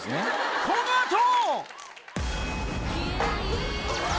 この後！